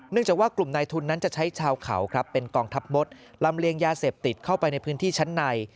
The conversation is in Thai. จากว่ากลุ่มนายทุนนั้นจะใช้ชาวเขาครับเป็นกองทัพมดลำเลียงยาเสพติดเข้าไปในพื้นที่ชั้นใน